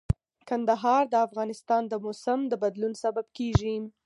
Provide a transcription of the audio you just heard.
کندهار د افغانستان د موسم د بدلون سبب کېږي.